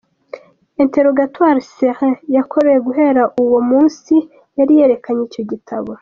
«Interrogatoire serré» yakorewe guhera uwo munsi, yari yerekeranye n’icyo gitabo.